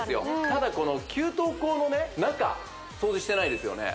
ただこの給湯口の中掃除してないですよね